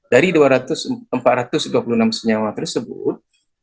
dari empat ratus dua puluh enam senyawa tersebut